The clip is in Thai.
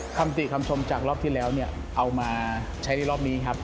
คำติคำชมจากรอบที่แล้วเนี่ยเอามาใช้ในรอบนี้ครับ